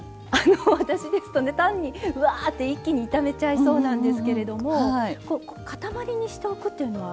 私ですとね単にワーッて一気に炒めちゃいそうなんですけれども塊にしておくっていうのは。